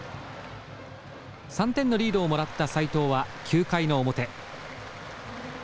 ３点のリードをもらった斎藤は９回の表。